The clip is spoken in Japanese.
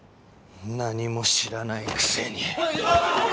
何も知らないくせに！